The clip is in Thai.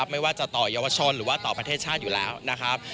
ไม่ว่าจะต่อเยาวชนหรือว่าต่อประเทศชาติอยู่แล้วนะครับ